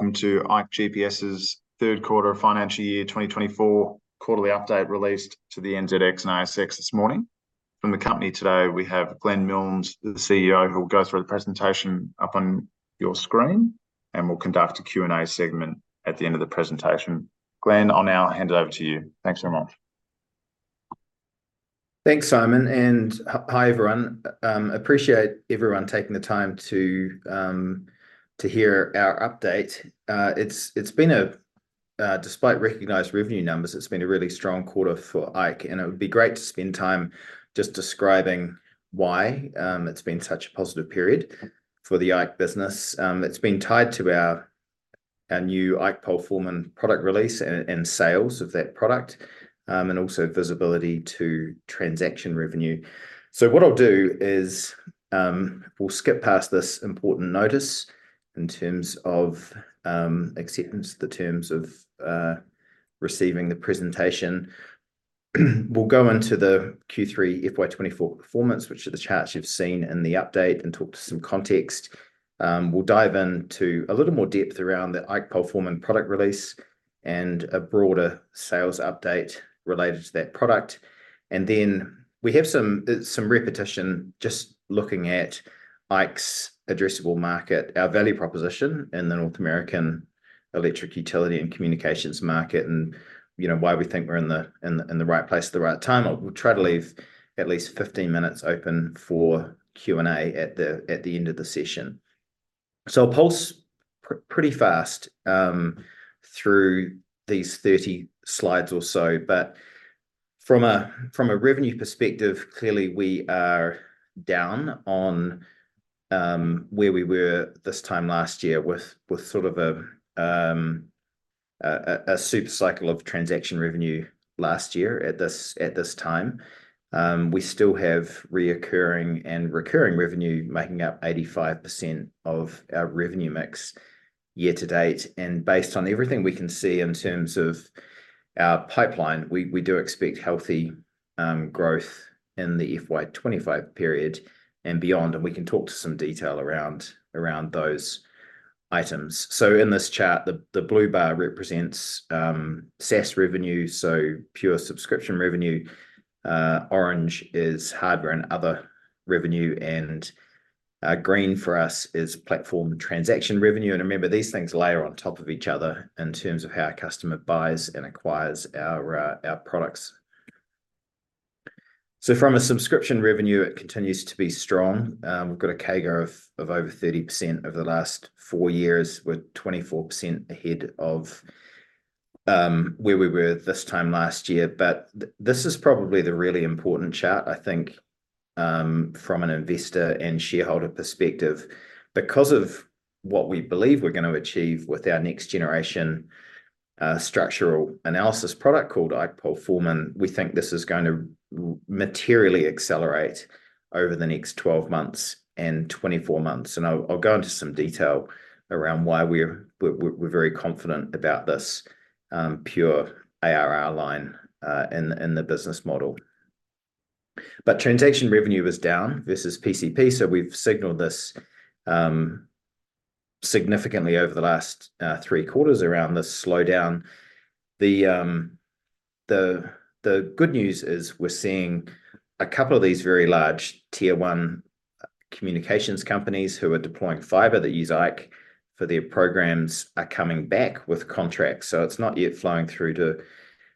Welcome to ikeGPS's 3Q of financial year 2024 quarterly update, released to the NZX and ASX this morning. From the company today, we have Glenn Milnes, the CEO, who will go through the presentation up on your screen, and we'll conduct a Q&A segment at the end of the presentation. Glenn, I'll now hand it over to you. Thanks very much. Thanks, Simon, and hi, everyone. Appreciate everyone taking the time to hear our update. It's been, despite recognized revenue numbers, a really strong quarter for IKE, and it would be great to spend time just describing why it's been such a positive period for the IKE business. It's been tied to our new IKE PoleForeman product release and sales of that product, and also visibility to transaction revenue. So what I'll do is, we'll skip past this important notice in terms of acceptance, the terms of receiving the presentation. We'll go into the Q3 FY 2024 performance, which are the charts you've seen in the update, and talk to some context. We'll dive into a little more depth around the IKE PoleForeman product release and a broader sales update related to that product. Then we have some repetition, just looking at IKE's addressable market, our value proposition in the North American electric utility and communications market, and, you know, why we think we're in the right place at the right time. We'll try to leave at least 15 minutes open for Q&A at the end of the session. So I'll push pretty fast through these 30 slides or so. But from a revenue perspective, clearly, we are down on where we were this time last year, with sort of a super cycle of transaction revenue last year at this time. We still have reoccurring and recurring revenue making up 85% of our revenue mix year to date, and based on everything we can see in terms of our pipeline, we do expect healthy growth in the FY 2025 period and beyond, and we can talk to some detail around those items. So in this chart, the blue bar represents SaaS revenue, so pure subscription revenue. Orange is hardware and other revenue, and green for us is platform transaction revenue. And remember, these things layer on top of each other in terms of how our customer buys and acquires our products. So from a subscription revenue, it continues to be strong. We've got a CAGR of over 30% over the last four years, with 2024 ahead of where we were this time last year. But this is probably the really important chart, I think, from an investor and shareholder perspective, because of what we believe we're going to achieve with our next generation structural analysis product called IKE PoleForeman. We think this is going to materially accelerate over the next 12 months and 24 months, and I'll go into some detail around why we're very confident about this pure ARR line in the business model. But transaction revenue is down versus PCP, so we've signaled this significantly over the last three quarters around this slowdown. The good news is we're seeing a couple of these very large Tier One communications companies who are deploying fiber that use IKE for their programs, are coming back with contracts. It's not yet flowing through to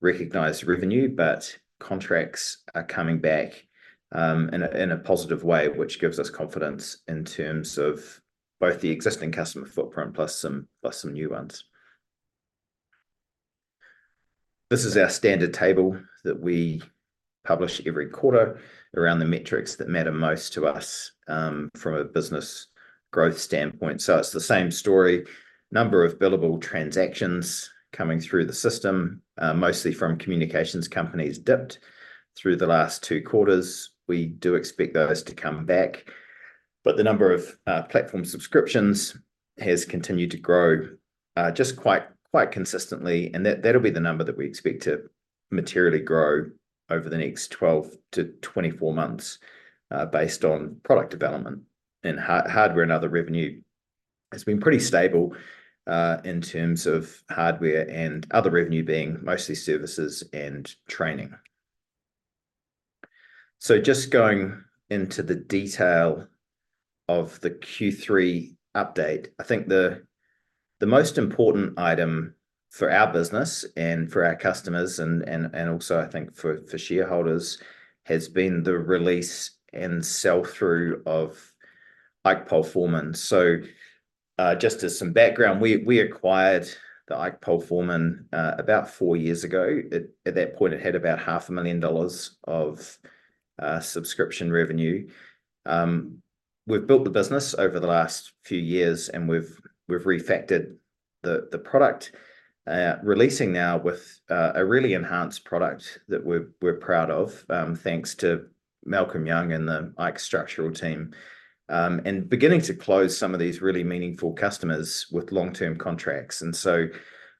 recognized revenue, but contracts are coming back in a positive way, which gives us confidence in terms of both the existing customer footprint, plus some new ones. This is our standard table that we publish every quarter around the metrics that matter most to us from a business growth standpoint. It's the same story. Number of billable transactions coming through the system, mostly from communications companies, dipped through the last two quarters. We do expect those to come back. The number of platform subscriptions has continued to grow just quite consistently, and that'll be the number that we expect to materially grow over the next 12-24 months, based on product development. And hardware and other revenue has been pretty stable in terms of hardware and other revenue being mostly services and training. So just going into the detail of the Q3 update, I think the most important item for our business and for our customers, and also I think for shareholders, has been the release and sell-through of IKE PoleForeman. So, just as some background, we acquired the IKE PoleForeman about four years ago. At that point, it had about $500,000 of subscription revenue. We've built the business over the last few years, and we've refactored the product, releasing now with a really enhanced product that we're proud of, thanks to Malcolm Young and the IKE Structural team. And beginning to close some of these really meaningful customers with long-term contracts. And so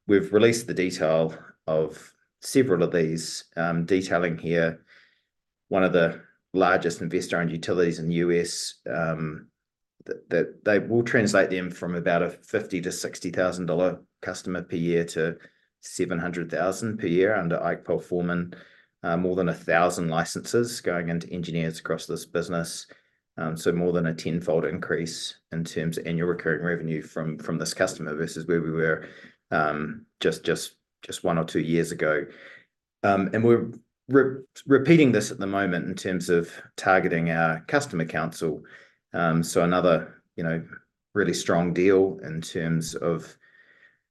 we've released the detail of several of these, detailing one of the largest investor-owned utilities in the U.S., that they will translate them from about a $50,000-$60,000 customer per year to $700,000 per year under IKE PoleForeman. More than 1,000 licenses going into engineers across this business. So more than a tenfold increase in terms of annual recurring revenue from this customer versus where we were, just one or two years ago. And we're repeating this at the moment in terms of targeting our customer council. So another, you know, really strong deal in terms of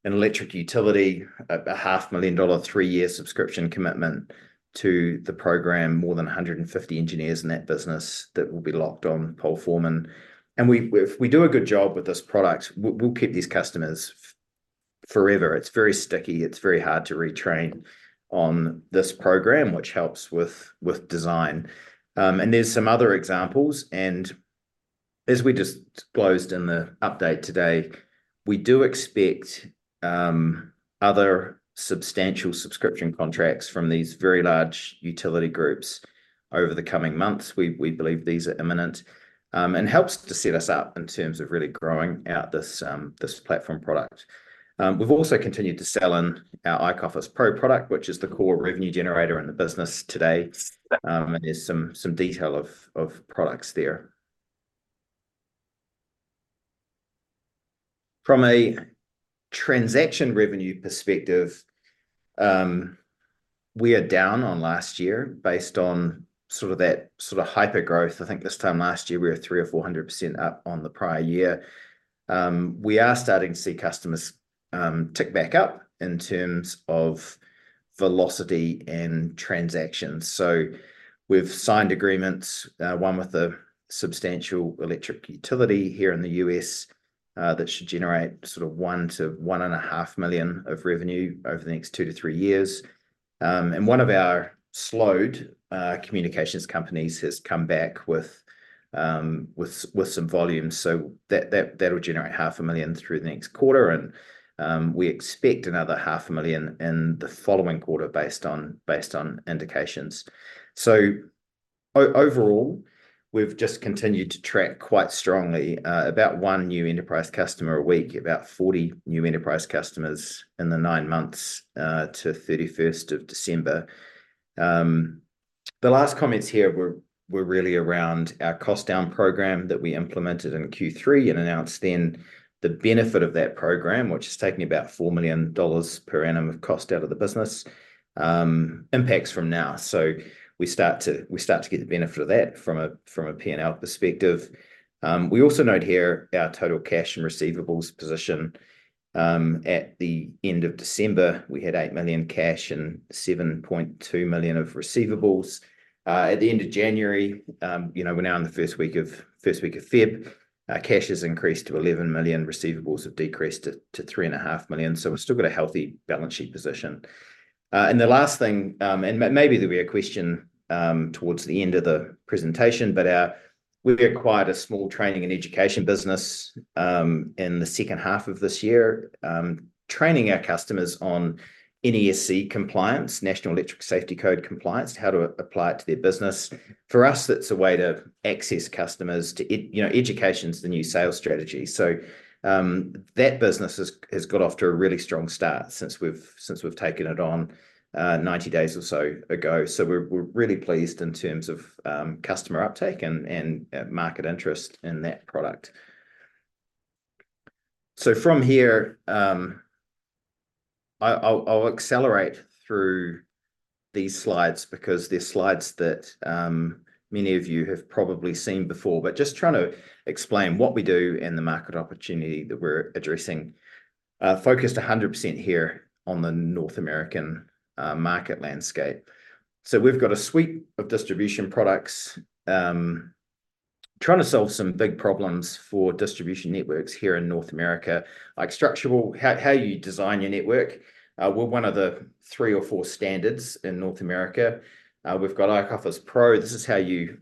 an electric utility, a $500,000, three-year subscription commitment to the program, more than 150 engineers in that business that will be locked on PoleForeman. And we, if we do a good job with this product, we'll keep these customers forever. It's very sticky, it's very hard to retrain on this program, which helps with design. And there's some other examples, and as we just closed in the update today, we do expect other substantial subscription contracts from these very large utility groups over the coming months. We believe these are imminent, and helps to set us up in terms of really growing out this platform product. We've also continued to sell in our IKE Office Pro product, which is the core revenue generator in the business today. And there's some detail of products there. From a transaction revenue perspective, we are down on last year based on sort of that hypergrowth. I think this time last year, we were 300%-400% up on the prior year. We are starting to see customers tick back up in terms of velocity and transactions. So we've signed agreements, one with a substantial electric utility here in the U.S., that should generate sort of $1 million-$1.5 million of revenue over the next two to three years. And one of our slowed communications companies has come back with some volume. So that'll generate $500,000 through the next quarter, and we expect another $500,000 in the following quarter based on indications. So overall, we've just continued to track quite strongly, about one new enterprise customer a week, about 40 new enterprise customers in the nine months to thirty-first of December. The last comments here were really around our cost-down program that we implemented in Q3 and announced then the benefit of that program, which is taking about $4 million per annum of cost out of the business, impacts from now. So we start to get the benefit of that from a P&L perspective. We also note here our total cash and receivables position. At the end of December, we had 8 million cash and 7.2 million of receivables. At the end of January, you know, we're now in the first week of February, our cash has increased to 11 million, receivables have decreased to 3.5 million. So we've still got a healthy balance sheet position. And the last thing, and maybe there'll be a question towards the end of the presentation, but we've acquired a small training and education business in the second half of this year, training our customers on NESC compliance, National Electrical Safety Code compliance, how to apply it to their business. For us, that's a way to access customers, to you know, education's the new sales strategy. So, that business has got off to a really strong start since we've taken it on, 90 days or so ago. So we're really pleased in terms of customer uptake and market interest in that product. So from here, I'll accelerate through these slides because they're slides that many of you have probably seen before, but just trying to explain what we do and the market opportunity that we're addressing. Focused 100% here on the North American market landscape. So we've got a suite of distribution products trying to solve some big problems for distribution networks here in North America. Like structural, how you design your network. We're one of the three or four standards in North America. We've got IKE Office Pro. This is how you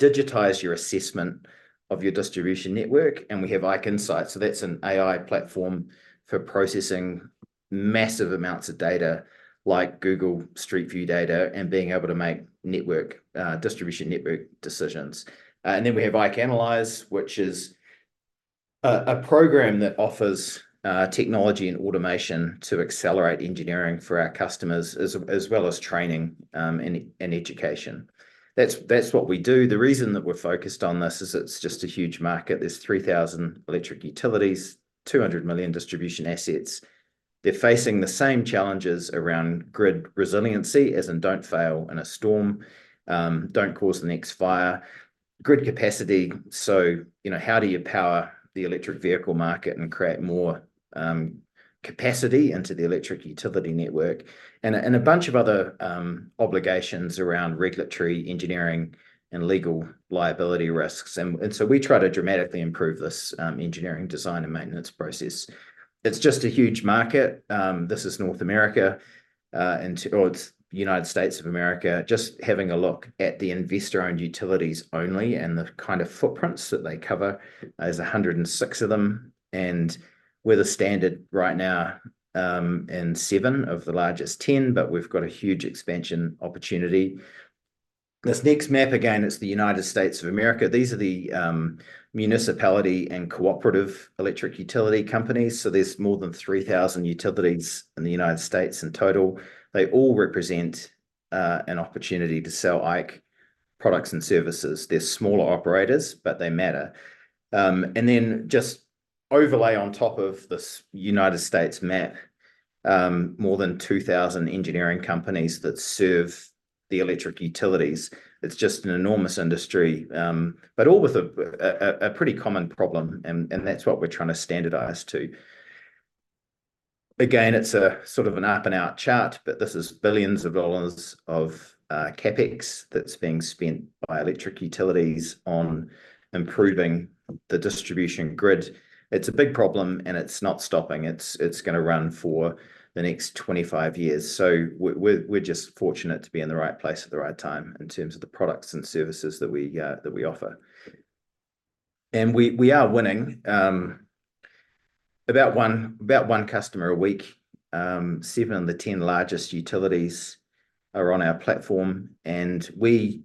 digitize your assessment of your distribution network, and we have IKE Insight. So that's an AI platform for processing massive amounts of data, like Google Street View data, and being able to make network, distribution network decisions. And then we have IKE Analyze, which is a program that offers technology and automation to accelerate engineering for our customers, as well as training, and education. That's what we do. The reason that we're focused on this is it's just a huge market. There's 3,000 electric utilities, 200 million distribution assets. They're facing the same challenges around grid resiliency, as in don't fail in a storm, don't cause the next fire. Grid capacity, so, you know, how do you power the electric vehicle market and create more capacity into the electric utility network? A bunch of other obligations around regulatory, engineering, and legal liability risks, and so we try to dramatically improve this engineering, design, and maintenance process. It's just a huge market. This is North America, or it's the United States of America, just having a look at the Investor-Owned Utilities only and the kind of footprints that they cover. There's 106 of them, and we're the standard right now in seven of the largest 10, but we've got a huge expansion opportunity. This next map, again, it's the United States of America. These are the municipality and cooperative electric utility companies. So there's more than 3,000 utilities in the United States in total. They all represent an opportunity to sell IKE products and services. They're smaller operators, but they matter. And then just overlay on top of this United States map, more than 2,000 engineering companies that serve the electric utilities. It's just an enormous industry, but all with a pretty common problem, and that's what we're trying to standardize to. Again, it's a sort of an up-and-out chart, but this is $ billions of CapEx that's being spent by electric utilities on improving the distribution grid. It's a big problem, and it's not stopping. It's gonna run for the next 25 years. So we're just fortunate to be in the right place at the right time in terms of the products and services that we offer. And we are winning about one customer a week. Seven of the 10 largest utilities are on our platform, and we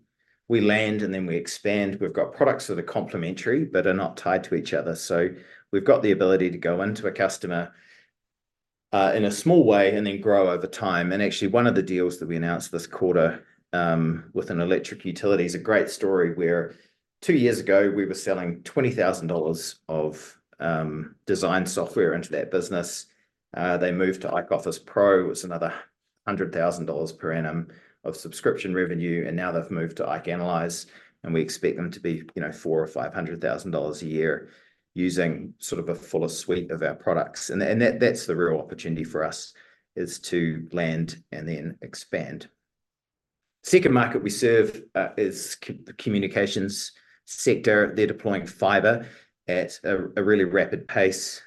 land, and then we expand. We've got products that are complementary but are not tied to each other. So we've got the ability to go into a customer, in a small way and then grow over time. And actually, one of the deals that we announced this quarter, with an electric utility, is a great story, where two years ago, we were selling $20,000 of design software into that business. They moved to IKE Office Pro. It's another $100,000 per annum of subscription revenue, and now they've moved to IKE Analyze, and we expect them to be, you know, $400,000-$500,000 a year using sort of a fuller suite of our products. That's the real opportunity for us, is to land and then expand. Second market we serve is the communications sector. They're deploying fiber at a really rapid pace.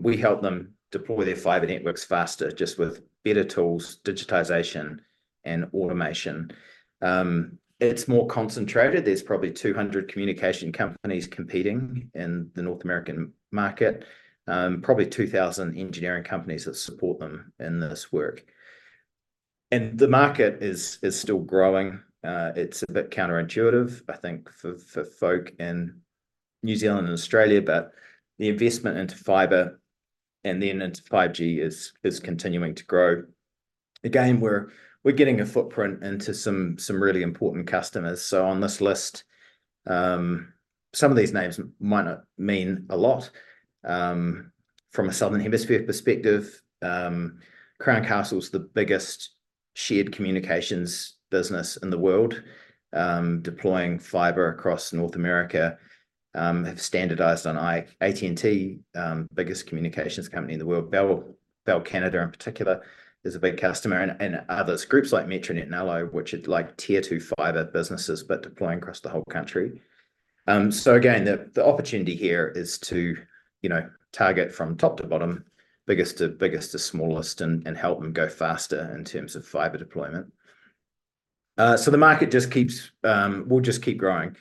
We help them deploy their fiber networks faster, just with better tools, digitisation, and automation. It's more concentrated. There's probably 200 communication companies competing in the North American market, probably 2,000 engineering companies that support them in this work. And the market is still growing. It's a bit counterintuitive, I think, for folk in New Zealand and Australia, but the investment into fiber and then into 5G is continuing to grow. Again, we're getting a footprint into some really important customers. So on this list, some of these names might not mean a lot, from a Southern Hemisphere perspective. Crown Castle's the biggest shared communications business in the world, deploying fiber across North America, have standardized on IKE. AT&T, biggest communications company in the world. Bell Canada, in particular, is a big customer, and others. Groups like Metronet and ALLO, which are like tier two fiber businesses, but deploying across the whole country. So again, the opportunity here is to, you know, target from top to bottom, biggest to- biggest to smallest, and help them go faster in terms of fiber deployment. So the market just will just keep growing.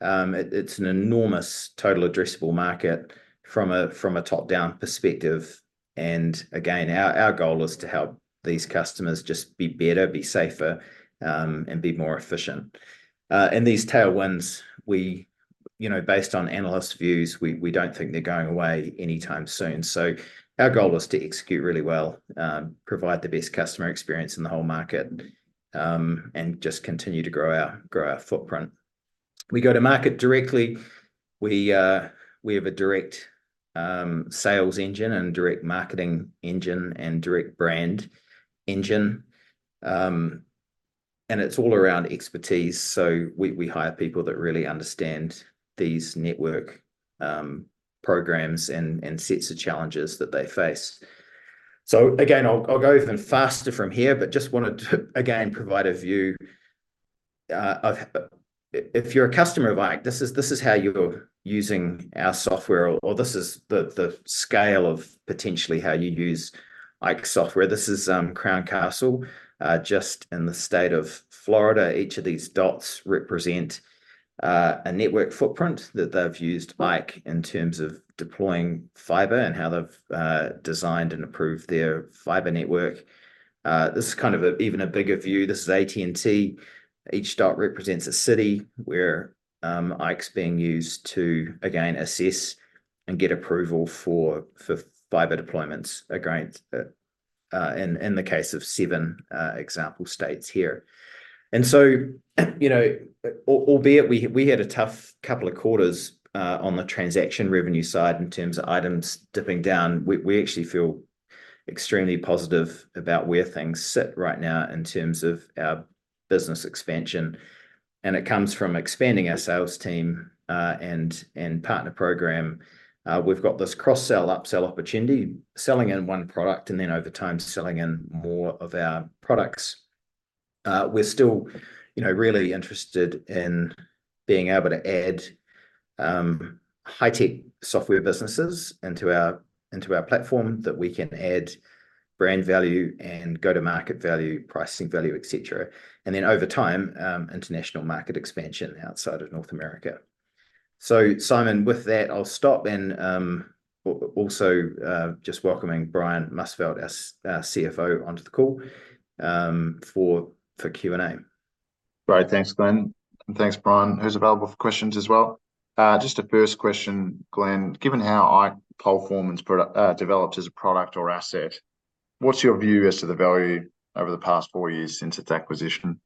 It's an enormous total addressable market from a top-down perspective, and again, our goal is to help these customers just be better, be safer, and be more efficient. And these tailwinds, you know, based on analyst views, we don't think they're going away anytime soon. So our goal is to execute really well, provide the best customer experience in the whole market, and just continue to grow our footprint. We go to market directly. We have a direct sales engine and direct marketing engine and direct brand engine. And it's all around expertise, so we hire people that really understand these network programs and sets of challenges that they face. So again, I'll go even faster from here, but just wanted to, again, provide a view of if you're a customer of Ike, this is how you're using our software, or this is the scale of potentially how you use Ike software. This is Crown Castle just in the state of Florida. Each of these dots represent a network footprint that they've used IKE in terms of deploying fiber and how they've designed and approved their fiber network. This is kind of an even bigger view. This is AT&T. Each dot represents a city where IKE's being used to, again, assess and get approval for fiber deployments, again, in the case of seven example states here. And so, you know, albeit we had a tough couple of quarters on the transaction revenue side in terms of items dipping down, we actually feel extremely positive about where things sit right now in terms of our business expansion, and it comes from expanding our sales team and partner program. We've got this cross-sell, upsell opportunity, selling in one product, and then over time, selling in more of our products. We're still, you know, really interested in being able to add high-tech software businesses into our platform, that we can add brand value and go-to-market value, pricing value, et cetera. And then over time, international market expansion outside of North America. So Simon, with that, I'll stop, and also, just welcoming Brian Musfeldt, as our CFO, onto the call, for Q&A. Great. Thanks, Glenn. And thanks, Brian, who's available for questions as well. Just a first question, Glenn. Given how IKE PoleForeman's product developed as a product or asset, what's your view as to the value over the past four years since its acquisition?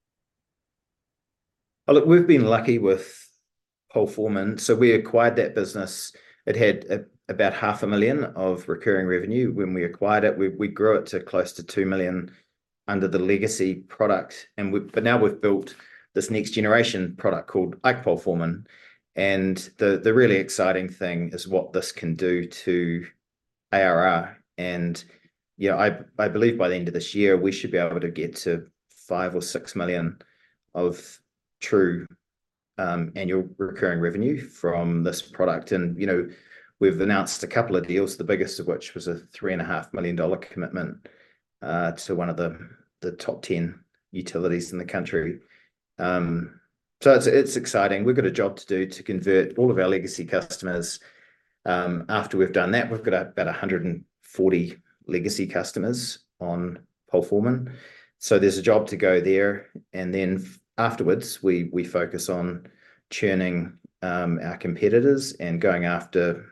Well, look, we've been lucky with PoleForeman. So we acquired that business. It had about $500,000 of recurring revenue when we acquired it. We grew it to close to $2 million under the legacy product, but now we've built this next generation product called IKE PoleForeman, and the really exciting thing is what this can do to ARR. And, you know, I believe by the end of this year, we should be able to get to $5 million-$6 million of true annual recurring revenue from this product. And, you know, we've announced a couple of deals, the biggest of which was a $3.5 million commitment to one of the top ten utilities in the country. So it's exciting. We've got a job to do to convert all of our legacy customers. After we've done that, we've got about 140 legacy customers on PoleForeman, so there's a job to go there. And then afterwards, we focus on churning our competitors and going after...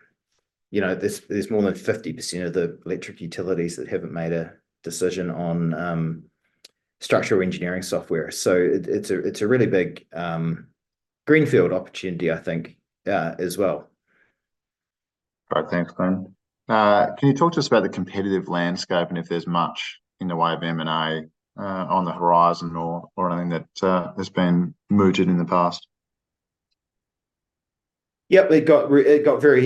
You know, there's more than 50% of the electric utilities that haven't made a decision on structural engineering software. So it's a really big greenfield opportunity, I think, as well. Right. Thanks, Glenn. Can you talk to us about the competitive landscape and if there's much in the way of M&A on the horizon or anything that has been merged in the past? Yep. It got very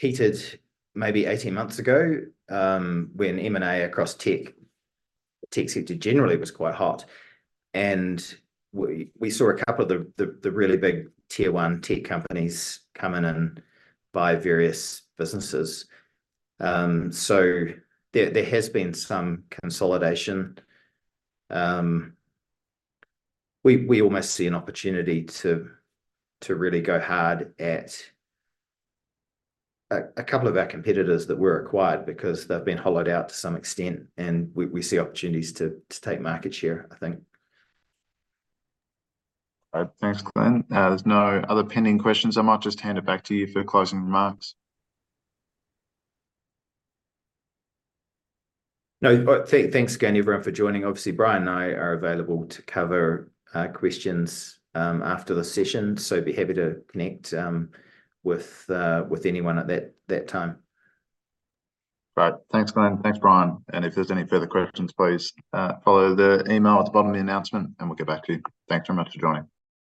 heated maybe 18 months ago, when M&A across tech, the tech sector generally was quite hot, and we saw a couple of the really big Tier One tech companies come in and buy various businesses. So there has been some consolidation. We almost see an opportunity to really go hard at a couple of our competitors that were acquired because they've been hollowed out to some extent, and we see opportunities to take market share, I think. Thanks, Glenn. There's no other pending questions. I might just hand it back to you for closing remarks. No, thanks again, everyone, for joining. Obviously, Brian and I are available to cover questions after the session, so be happy to connect with anyone at that time. Great. Thanks, Glenn. Thanks, Brian. And if there's any further questions, please, follow the email at the bottom of the announcement, and we'll get back to you. Thanks very much for joining.